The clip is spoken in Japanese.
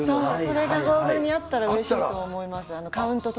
それがゴーグルにあったらうれしいなと思います。